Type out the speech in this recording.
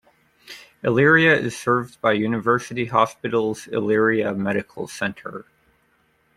Elyria is served by University Hospitals Elyria Medical Center.